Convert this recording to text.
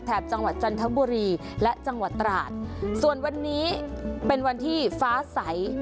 จังหวัดจันทบุรีและจังหวัดตราดส่วนวันนี้เป็นวันที่ฟ้าใส